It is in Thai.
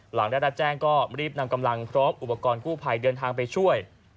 หลังได้รับแจ้งก็รีบนำกำลังพร้อมอุปกรณ์กู้ภัยเดินทางไปช่วย